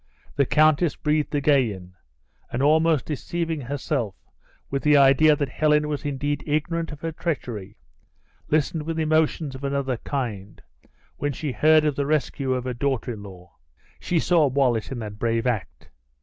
The countess breathed again; and almost deceiving herself with the idea that Helen was indeed ignorant of her treachery, listened with emotions of another kind, when she heard of the rescue of her daughter in law. She saw Wallace in that brave act!